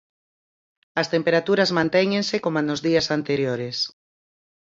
As temperaturas mantéñense coma nos días anteriores.